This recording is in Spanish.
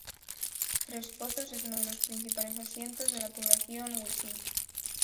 Tres Pozos es uno de los principales asientos de la población wichí.